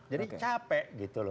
jadi capek gitu loh